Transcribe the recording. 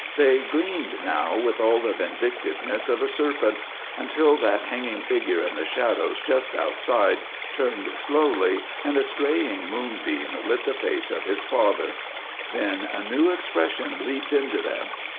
They gleamed now with all the vindictiveness of a serpent, until that hanging figure in the shadows just outside turned slowly and a straying moonbeam lit the face of his father; then a new expression leaped into them.